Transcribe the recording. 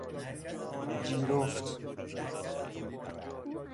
جیرفت